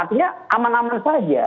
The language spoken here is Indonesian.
artinya aman aman saja